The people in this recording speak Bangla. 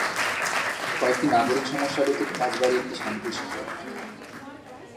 কয়েকটি নাগরিক সমস্যা ব্যতীত রাজবাড়ী একটি শান্তির শহর।